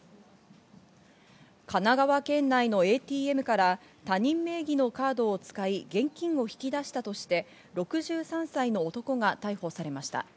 神奈川県内のＡＴＭから他人名義のカードを使い現金を引き出したとして、６３歳の男が逮捕されました。